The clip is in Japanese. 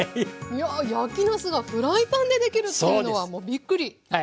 いや焼きなすがフライパンでできるっていうのはもうびっくりしました！